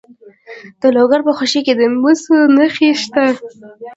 د لوګر په خوشي کې د مسو نښې شته.